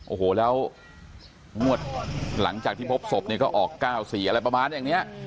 โอ้โหแล้วงวดหลังจากที่พบศพเนี่ยก็ออก๙๔อะไรประมาณอย่างนี้